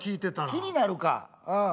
気になるかうん。